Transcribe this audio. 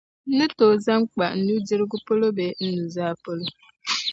n-ni tooi zaŋ kpa n nudirigu polo bee n nuzaa polo.